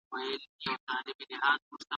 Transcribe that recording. نوي تخنيکونه د څېړنې پروسه اسانه کوي.